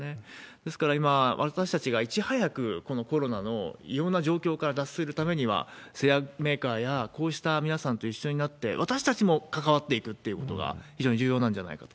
ですから、今、私たちがいち早くこのコロナの異様な状況から脱するためには、製薬メーカーやこうした皆さんと一緒になって、私たちも関わっていくってことが非常に重要なんじゃないかと。